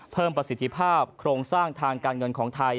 ประสิทธิภาพโครงสร้างทางการเงินของไทย